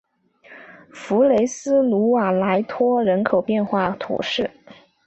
弗雷斯努瓦莱沙托人口变化图示